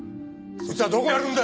そいつはどこにあるんだ！